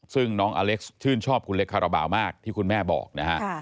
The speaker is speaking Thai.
ซึ่งน้องอเล็กซ์ชื่นชอบคุณเล็กคาราบาลมากที่คุณแม่บอกนะฮะ